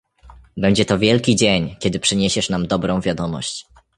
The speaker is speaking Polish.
"Będzie to wielki dzień, kiedy przyniesiesz nam dobrą wiadomość."